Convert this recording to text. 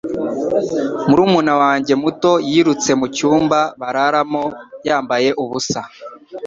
Murumuna wanjye muto yirutse mu cyumba bararamo yambaye ubusa